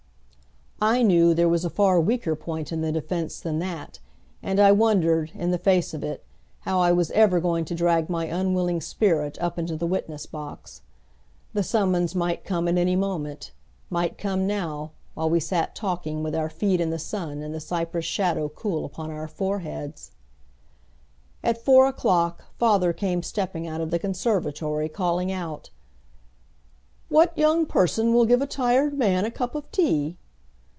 I knew there was a far weaker point in the defense than that, and I wondered, in the face of it, how I was ever going to drag my unwilling spirit up into the witness box. The summons might come at any moment, might come now, while we sat talking with our feet in the sun and the cypress shadow cool upon our foreheads. At four o'clock father came stepping out of the conservatory, calling out, "What young person will give a tired man a cup of tea?"